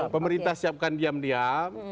pemerintah siapkan diam diam